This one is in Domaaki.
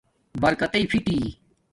برکتݵ فیٹی